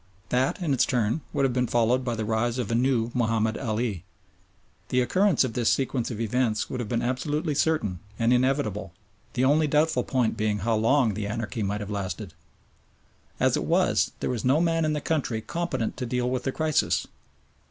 That in its turn would have been followed by the rise of a new Mahomed Ali. The occurrence of this sequence of events would have been absolutely certain and inevitable, the only doubtful point being how long the anarchy might have lasted. As it was, there was no man in the country competent to deal with the crisis.